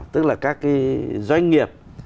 tức là các doanh nghiệp